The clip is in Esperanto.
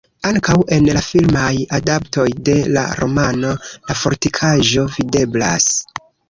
Ankaŭ en la filmaj adaptoj de la romano la fortikaĵo videblas.